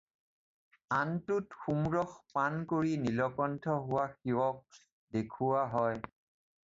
আনটোত সোমৰস পান কৰি নীলকণ্ঠ হোৱা শিৱক দেখুওৱা হয়।